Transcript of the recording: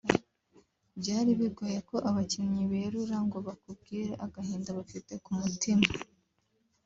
Byari bigoye ko abakinnyi berura ngo bakubwire agahinda bafite ku mutima